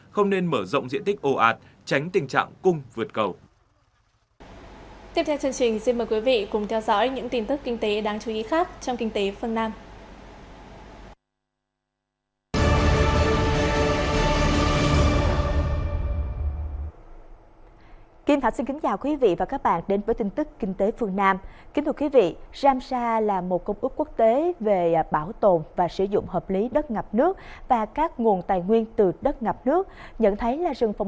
không nên mở rộng diện tích ồ ạt tránh tình trạng cung vượt cầu